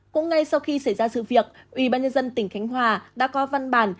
cũng ngay sau khi xảy ra sự việc ủy ban nhân dân tỉnh khánh hòa đã có văn bản